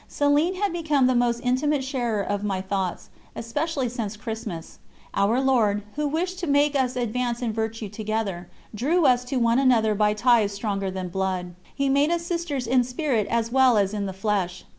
Céline had become the most intimate sharer of my thoughts, especially since Christmas. Our Lord, Who wished to make us advance in virtue together, drew us to one another by ties stronger than blood. He made us sisters in spirit as well as in the flesh.